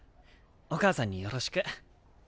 お母さんによろしく。